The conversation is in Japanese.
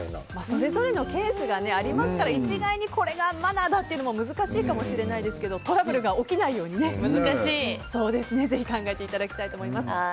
それぞれのケースがありますから一概にこれがマナーだというのも難しいかもしれませんがトラブルが起きないように考えていただきたいと思います。